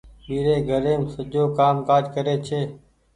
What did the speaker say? ٻيري گهريم سجو ڪآم ڪآج ڪري ڇي۔